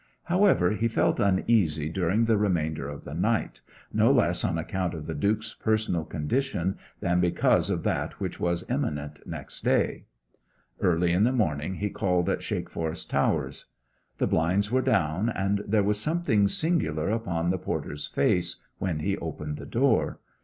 However, he felt uneasy during the remainder of the night, no less on account of the Duke's personal condition than because of that which was imminent next day. Early in the morning he called at Shakeforest Towers. The blinds were down, and there was something singular upon the porter's face when he opened the door.